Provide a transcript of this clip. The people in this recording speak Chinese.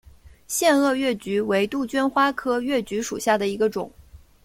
腺萼越桔为杜鹃花科越桔属下的一个种。